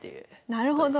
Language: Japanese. なるほど。